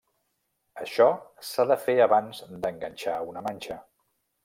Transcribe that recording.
Això s'ha de fer abans d'enganxar una manxa.